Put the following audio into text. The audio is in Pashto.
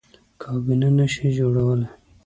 کابینه نه شي جوړولی.